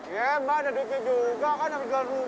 ini gini pien every juta sudah beres